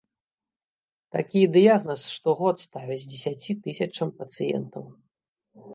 Такі дыягназ штогод ставяць дзесяці тысячам пацыентаў.